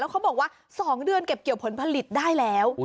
เขาบอกว่า๒เดือนเก็บเกี่ยวผลผลิตได้แล้ว